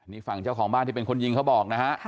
นี่ฝั่งเจ้าของบ้านที่เป็นคนยิงเขาบอกนะฮะ